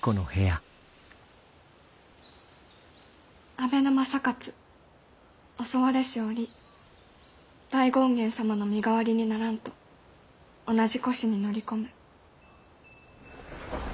阿部の正勝襲われし折大権現様の身代わりにならんと同じ輿に乗り込む。